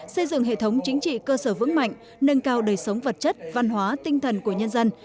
xây dựng hệ thống chính trị cơ sở vững mạnh nâng cao đời sống vật chất văn hóa tinh thần của nhân dân